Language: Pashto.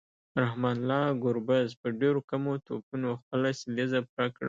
رحمان الله ګربز په ډیرو کمو توپونو خپله سلیزه پوره کړه